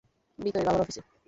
ভিতরে, বাবার অফিসে।